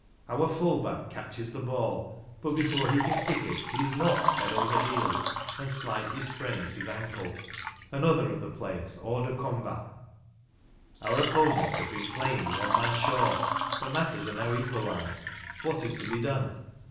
Our full back catches the ball, but before he can kick it he is knocked head over heels, and slightly sprains his ankle. Another of the players hors de combat. Our opponents have been playing one man short; but matters are now equalized. What is to be done?